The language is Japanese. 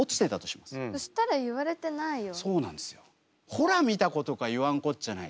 ほら見たことか言わんこっちゃないと。